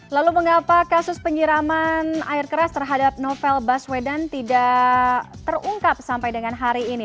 lalu mengapa kasus penyiraman air keras terhadap novel baswedan tidak terungkap sampai dengan hari ini